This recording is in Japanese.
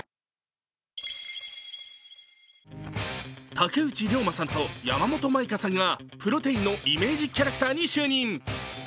竹内涼真さんと山本舞香さんがプロテインのイメージキャラクターに就任。